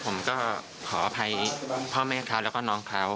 ผมก็ขออภัยพ่อแม่ข้าวและก็น้องข้าว